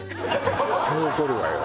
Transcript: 絶対起こるわよ。